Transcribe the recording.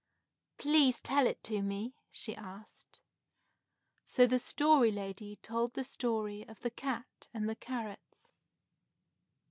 "Please tell it to me?" she asked. So the Story Lady told the story of "The Cat and the Carrots."